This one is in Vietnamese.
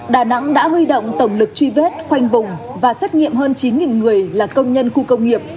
đà nẵng đã huy động tổng lực truy vết khoanh vùng và xét nghiệm hơn chín người là công nhân khu công nghiệp